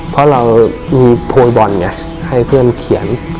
เพราะเรามีโพยบอลไงให้เพื่อนเขียน